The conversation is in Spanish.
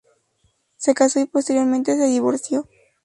Se casó y posteriormente se divorció.